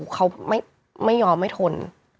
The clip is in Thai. เขาไม่ยอมไม่ทน